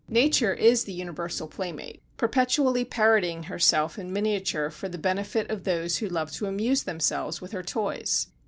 Nature is the universal playmate, perpetually parodying herself in miniature for the benefit of those who love to amuse themselves with her toys.